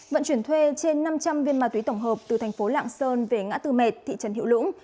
vận chuyển thuê trên năm trăm linh viên ma túy tổng hợp từ thành phố lạng sơn về ngã tư mệt thị trấn hiệu lũng